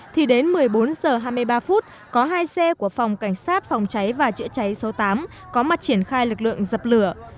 thì đến một mươi bốn h hai mươi ba phút có hai xe của phòng cảnh sát phòng cháy và chữa cháy số tám có mặt triển khai lực lượng dập lửa